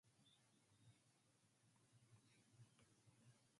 They protected the Canadian embassy and secured the airport.